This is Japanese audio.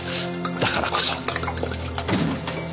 だからこそ。